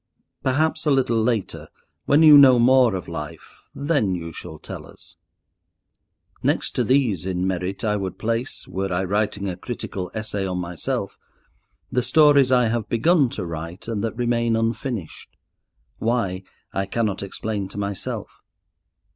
Perhaps a little later, when you know more of life, then you shall tell us." Next to these in merit I would place, were I writing a critical essay on myself, the stories I have begun to write and that remain unfinished, why I cannot explain to myself.